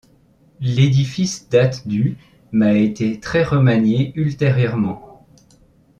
L'édifice date du mais a été très remanié ultérieurement.